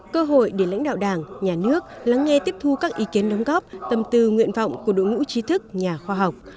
cơ hội để lãnh đạo đảng nhà nước lắng nghe tiếp thu các ý kiến đóng góp tâm tư nguyện vọng của đội ngũ trí thức nhà khoa học